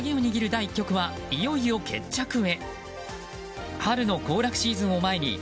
鍵を握る第１局はいよいよ決着へ。